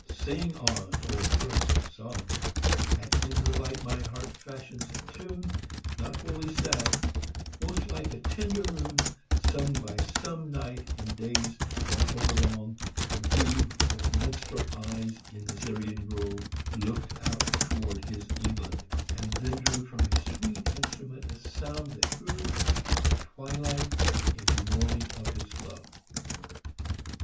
Sing on, O birds of song! And in her light my heart fashions a tune Not wholly sad, most like a tender rune Sung by some knight in days gone overlong, When he with minstrel eyes in Syrian grove Looked out towards his England, and then drew From a sweet instrument a sound that grew From twilight unto morning of his love.